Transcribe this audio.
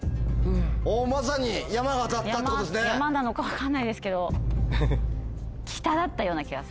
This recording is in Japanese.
ヤマなのか分かんないですけど。